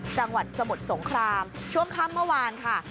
จังหวัดสมุทรสงครามช่วงค่ำเมื่อวานค่ะ